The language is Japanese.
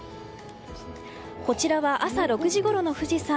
こちらは朝６時ごろの富士山。